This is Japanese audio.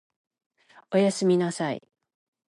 お休みなさい